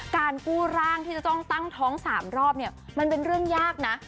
การกู้ร่างที่จะต้องตั้งท้อง๓รอบเนี่ยมันเป็นเรื่องยากนะ